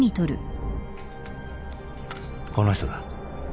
この人だ。